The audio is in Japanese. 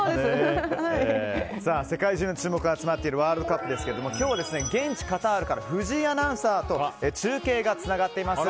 世界中の注目が集まっているワールドカップですが今日は現地カタールから藤井アナウンサーと中継がつながっています。